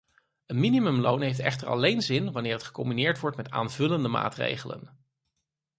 Een minimumloon heeft echter alleen zin wanneer het gecombineerd wordt met aanvullende maatregelen.